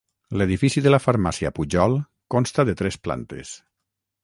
L'edifici de la Farmàcia Pujol consta de tres plantes.